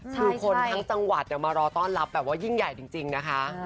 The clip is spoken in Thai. คือคนทั้งจังหวัดมารอต้อนรับแบบว่ายิ่งใหญ่จริงนะคะ